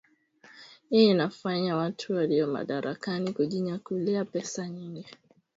Hii inafanya watu walio madarakani kujinyakulia pesa nyingi